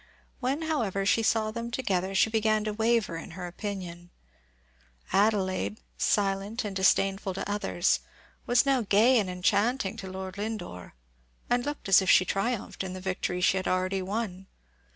When, however, she saw them together, she began to waver in her opinion. Adelaide, silent and disdainful to others, was now gay and enchanting to Lord Lindore, and looked as if she triumphed in the victory she had already won.